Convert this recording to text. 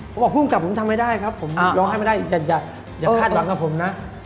ผมบอกผู้กำกับผมทำไม่ได้ครับผมร้องให้ไม่ได้อย่าคาดหวังครับผมนะ